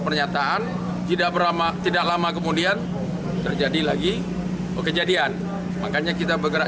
pernyataan tidak beramak tidak lama kemudian terjadi lagi kejadian makanya kita bergerak